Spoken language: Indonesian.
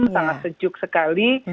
sangat sejuk sekali